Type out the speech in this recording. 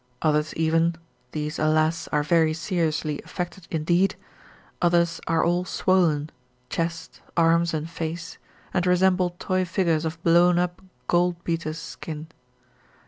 Others even these alas! are very seriously affected indeed others are all swollen, chest, arms, and face, and resemble toy figures of blown up gold beater's skin.